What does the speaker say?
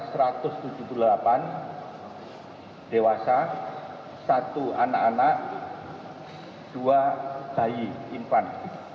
satu ratus tujuh puluh delapan dewasa satu anak anak dua bayi infan